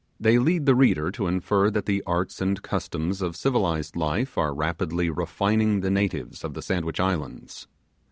They lead the reader to infer that the arts and customs of civilized life are rapidly refining the natives of the Sandwich Islands.